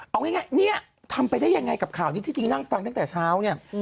เอาง่ายเนี่ยทำไปได้ยังไงกับข่าวนี้ที่จริงนั่งฟังตั้งแต่เช้าเนี่ย